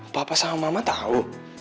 papa sama mama tau